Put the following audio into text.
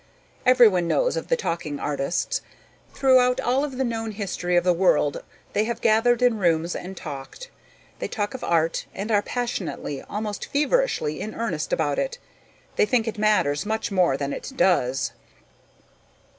Everyone knows of the talking artists. Throughout all of the known history of the world they have gathered in rooms and talked. They talk of art and are passionately, almost feverishly, in earnest about it. They think it matters much more than it does.